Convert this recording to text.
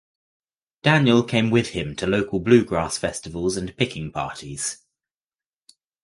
Daniel came with him to local bluegrass festivals and picking parties.